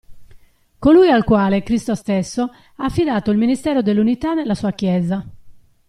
Colui al quale Cristo stesso ha affidato il ministero dell'unità nella sua Chiesa.